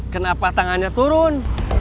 kenapa tangannya turun